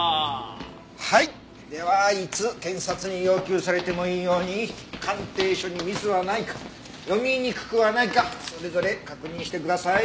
はいではいつ検察に要求されてもいいように鑑定書にミスはないか読みにくくはないかそれぞれ確認してください。